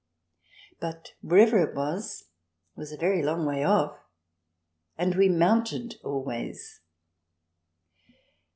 But , wherever it was, was a very long way off. And we mounted always.